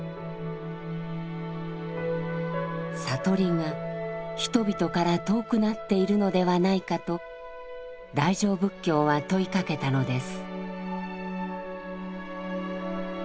悟りが人々から遠くなっているのではないかと大乗仏教は問いかけたのです。